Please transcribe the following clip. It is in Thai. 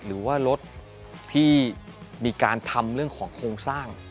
หรือว่ารถที่มีการทำเรื่องของโครงสร้าง